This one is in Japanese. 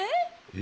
え？